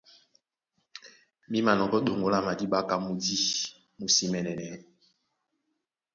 Mí manɔŋgɔ́ ɗoŋgo lá madíɓá ka mǔdi mú sí mɛɛ̄nɛnɛɛ́.